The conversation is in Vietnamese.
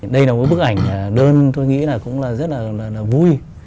đây là một bức ảnh đơn tôi nghĩ là cũng rất là vui